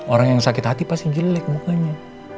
orang yang sakit hati pasti jelek mukanya